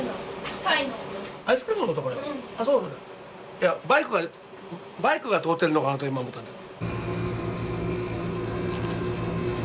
いやバイクがバイクが通ってるのかなと今思ったんだよ。